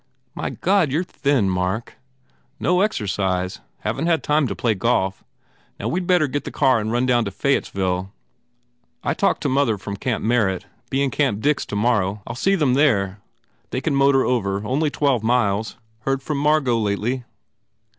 u My God but you re thin, Mark!" u No exercise. Haven t had time to play golf. Now, we d better get the car and run down to Fayettes " "I talked to mother from Camp Merritt. Be in Camp Dix tomorrow. I ll see them there. They can motor over. Only twelve miles. Heard from Margot lately?"